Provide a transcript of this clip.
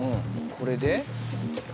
これで？